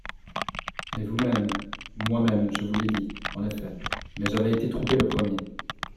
Mais, vous-même … Moi-même, je vous l'ai dit, en effet, mais j'avais été trompé le premier.